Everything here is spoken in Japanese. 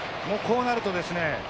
もうこうなるとですね